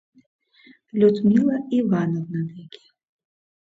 — Людмила Ивановна деке.